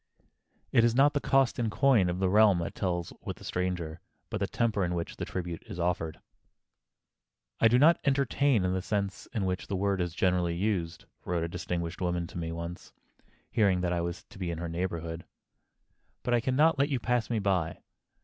It is not the cost in coin of the realm that tells with the stranger, but the temper in which the tribute is offered. [Sidenote: ENTERTAINING THE STRANGER] "I do not 'entertain' in the sense in which the word is generally used," wrote a distinguished woman to me once, hearing that I was to be in her neighborhood. "But I can not let you pass me by.